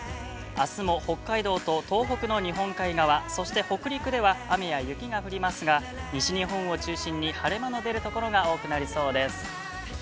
あすも北海道と東北の日本海側そして北陸では、雨や雪が降りますが、西日本を中心に晴れ間の出るところが多くなりそうです。